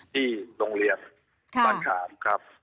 ที่โรงเรียนบ้านขามครับ